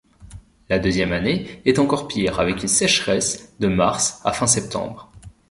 La deuxième année est encore pire avec une sécheresse de mars à fin septembre.